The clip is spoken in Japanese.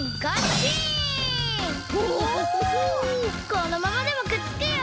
このままでもくっつくよ！